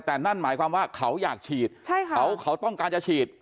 แต่นั่นหมายความว่าเขาอยากฉีดเขาต้องการจะฉีด